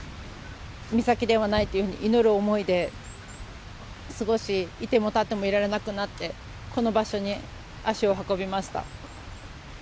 美咲ではないというふうに、祈る思いで過ごし、いてもたっていられなくなって、この場所に足を運びました。